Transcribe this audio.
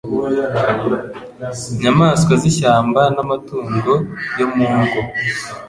nyamaswa z’ishyamba n’amatungo yo mu ngo